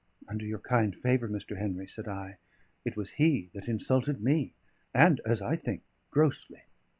"Under your kind favour, Mr. Henry," said I, "it was he that insulted me, and, as I think, grossly.